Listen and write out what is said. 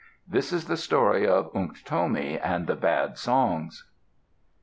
This is the story of Unktomi and the Bad Songs.